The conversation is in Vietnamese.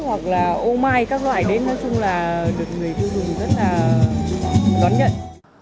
ô mai các loại đến nói chung là được người tiêu cùng rất là đón nhận